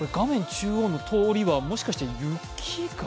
中央の通りは、もしかして雪が？